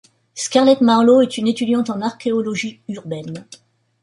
Scarlet Marlow est une étudiante en archéologie urbaine.